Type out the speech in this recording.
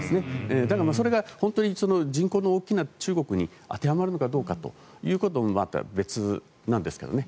だからそれが本当に人口の大きな中国に当てはまるのかどうかということはまた別なんですけどね。